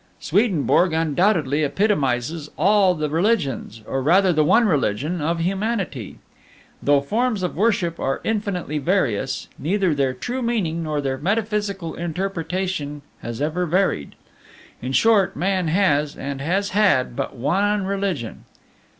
Swedenborg undoubtedly epitomizes all the religions or rather the one religion of humanity. Though forms of worship are infinitely various, neither their true meaning nor their metaphysical interpretation has ever varied. In short, man has, and has had, but one religion.